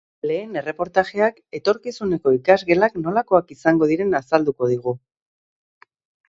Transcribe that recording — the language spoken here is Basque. Lehen erreportajeak etorkizuneko ikasgelak nolakoak izango diren azalduko digu.